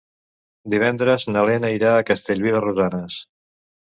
Divendres na Lena irà a Castellví de Rosanes.